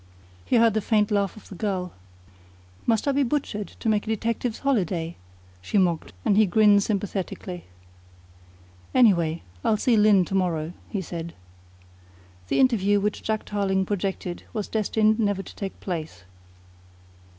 He heard the faint laugh of the girl. "Must I be butchered to make a detective's holiday?" she mocked, and he grinned sympathetically. "Any way, I'll see Lyne to morrow," he said. The interview which Jack Tarling projected was destined never to take place.